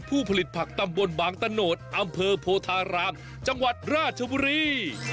ผู้ผลิตผักตำบลบางตะโนธอำเภอโพธารามจังหวัดราชบุรี